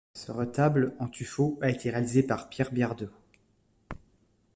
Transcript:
Ce retable, en tuffeau, a été réalisé par Pierre Biardeau.